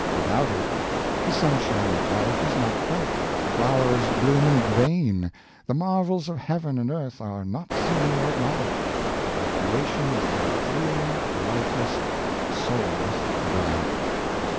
Without it the sunshine of life is not felt, flowers bloom in vain, the marvels of heaven and earth are not seen or acknowledged, and creation is but a dreary, lifeless, soulless blank.